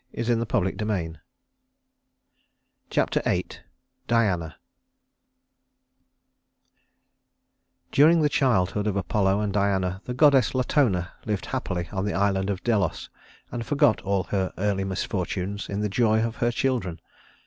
[Illustration: Niobe] Chapter VIII Diana I During the childhood of Apollo and Diana the goddess Latona lived happily on the island of Delos, and forgot all her early misfortunes in the joy of her children.